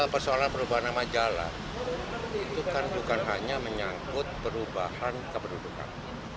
persoalan perubahan nama jalan itu kan bukan hanya menyangkut perubahan kependudukan